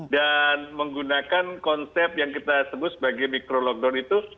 dan menggunakan konsep yang kita sebut sebagai micro lockdown itu